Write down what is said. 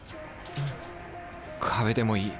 壁でもいい。